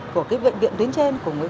của viện viện tuyến trên của bộ y tế